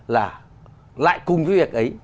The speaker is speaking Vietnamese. là lại cùng với việc ấy